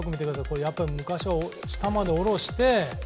やっぱり昔は下まで下ろして。